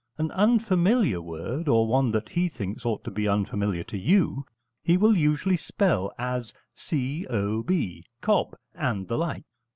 An unfamiliar word, or one that he thinks ought to be unfamiliar to you, he will usually spell as c o b cob, and the like.